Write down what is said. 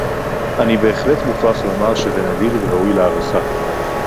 אני בהחלט מוכרח לומר שזה נדיר וראוי להערכה